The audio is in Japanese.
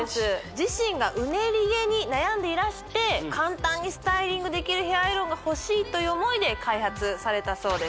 自身がうねり毛に悩んでいらして簡単にスタイリングできるヘアアイロンがほしいという思いで開発されたそうです